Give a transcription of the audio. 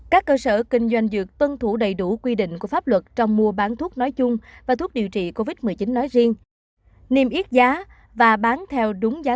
các cơ sở kinh doanh dược tân thủ đầy đủ quy định của pháp luật trong mua bán thuốc nói chung và thuốc điều trị covid một mươi chín nói riêng